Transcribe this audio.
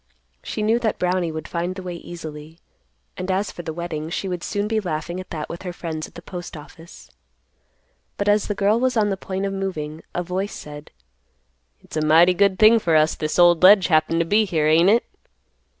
She knew that Brownie would find the way easily, and, as for the wetting, she would soon be laughing at that with her friends at the Postoffice. But, as the girl was on the point of moving, a voice said, "It's a mighty good thing for us this old ledge happened to be here, ain't it?"